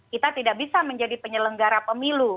kita tidak bisa menjadi penyelenggara pemilu